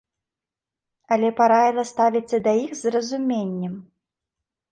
Але параіла ставіцца да іх з разуменнем.